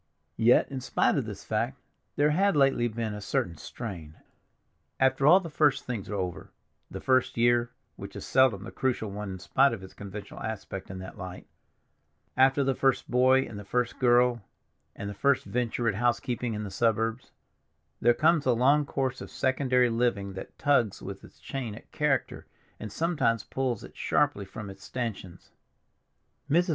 Yet, in spite of this fact, there had lately been a certain strain. After all the first things are over—the first year, which is seldom the crucial one in spite of its conventional aspect in that light; after the first boy, and the first girl, and the first venture at housekeeping in the suburbs—there comes a long course of secondary living that tugs with its chain at character and sometimes pulls it sharply from its stanchions. Mrs.